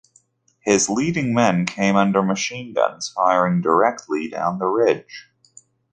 His leading men came under machine guns firing directly down the ridge.